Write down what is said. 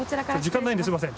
時間ないんですいません。